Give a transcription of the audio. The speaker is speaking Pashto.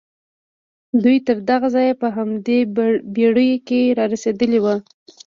دوی تر دغه ځايه په همدې بېړيو کې را رسېدلي وو.